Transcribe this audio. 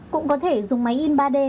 cũng có thể dùng máy in ba d